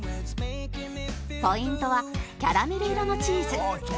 ポイントはキャラメル色のチーズ